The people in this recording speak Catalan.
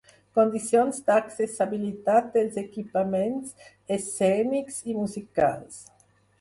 Condicions d'accessibilitat dels equipaments escènics i musicals.